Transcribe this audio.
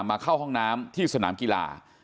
เข้าห้องน้ำที่สนามกีฬา